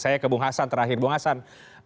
saya ke bung hasan terakhir bung hasan